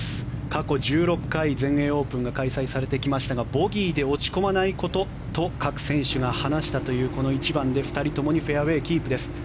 過去１６回、全英オープンが開催されてきましたがボギーで落ち込まないことと各選手が話したというこの１番で、２人ともにフェアウェーキープです。